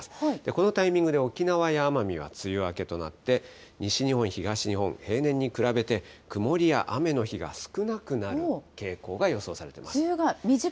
このタイミングで沖縄や奄美は梅雨明けとなって、西日本、東日本、平年に比べて曇りや雨の日が少なくなる傾向が予想されています。